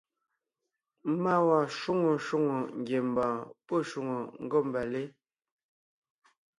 Má wɔɔn shwóŋo shwóŋò ngiembɔɔn pɔ́ shwòŋo ngômbalé.